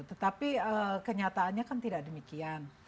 tetapi kenyataannya kan tidak demikian